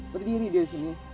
berdiri dia di sini